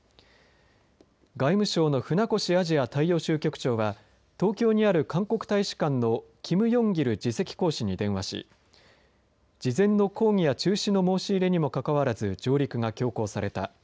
外務省の船越アジア大洋州局長は東京にある韓国大使館のキム・ヨンギル次席公使に電話し事前の抗議や中止の申し入れにもかかわらず上陸が強行された。